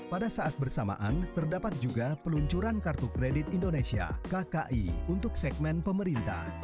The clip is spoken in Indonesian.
pada saat bersamaan terdapat juga peluncuran kartu kredit indonesia kki untuk segmen pemerintah